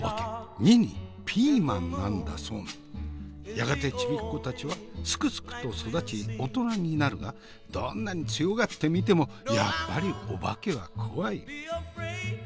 やがてちびっ子たちはすくすくと育ち大人になるがどんなに強がってみてもやっぱりオバケは怖い。